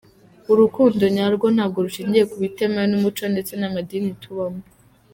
Urukundo nyarwo ntabwo rushingiye ku bitemewe n’umuco ndetse n’amadini tubamo.